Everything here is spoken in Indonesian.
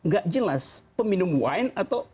gak jelas peminum wine atau